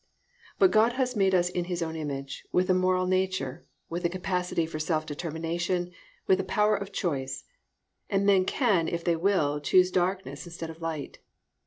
But God has made us in His own image, with a moral nature, with a capacity for self determination, with a power of choice; and men can if they will choose darkness instead of light.